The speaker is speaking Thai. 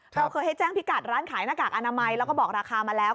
เราเคยให้แจ้งพิกัดร้านขายหน้ากากอนามัยแล้วก็บอกราคามาแล้ว